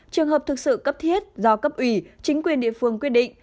trường hợp thực sự cấp thiết do cấp ủy chính quyền địa phương quyết định